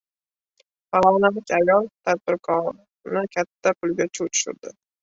Farg‘onalik ayol tadbirkorni katta pulga chuv tushirdi